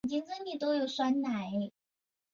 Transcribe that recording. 终尿里面是含氮的物质。